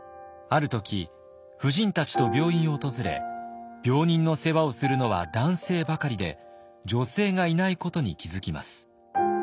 ある時夫人たちと病院を訪れ病人の世話をするのは男性ばかりで女性がいないことに気付きます。